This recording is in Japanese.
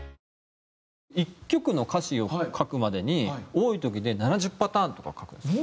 １曲の歌詞を書くまでに多い時で７０パターンとか書く。